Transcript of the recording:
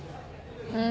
うん。